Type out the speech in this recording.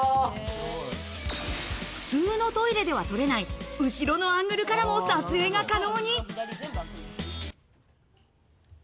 普通のトイレでは撮れない、後ろのアングルからも撮影が可能に。